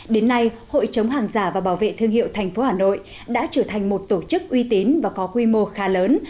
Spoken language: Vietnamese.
đến nay hội chống hàng giả và bảo vệ thương hiệu tp hà nội đã trở thành một tổ chức uy tín và có quy mô khá lớn